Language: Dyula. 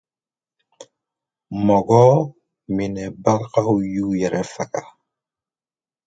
Mɔgɔ minɛbagaw y'u yɛrɛ faga.